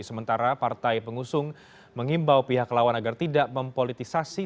sementara partai pengusung mengimbau pihak lawan agar tidak mempolitisasi